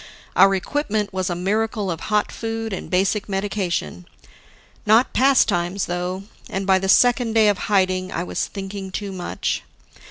Our equipment was a miracle of hot food and basic medication. Not pastimes, though; and by the second day of hiding, I was thinking too much.